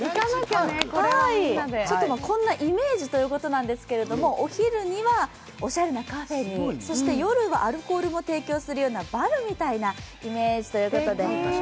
こんなイメージということなんですけれども、お昼にはおしゃれなカフェに、そして夜はアルコールも提供するようなバルみたいなイメージということです。